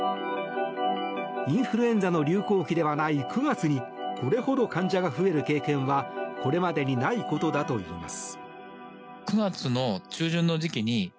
インフルエンザの流行期ではない９月にこれほど患者が増える経験はこれまでにないことだといいます。